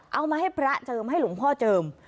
เอามาให้พระเจิมให้หลวงพ่อเจิม